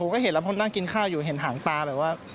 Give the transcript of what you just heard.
กลัวอยู่ครับ